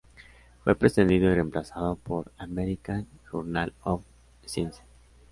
Fue precedido y reemplazado por "American Journal of Science".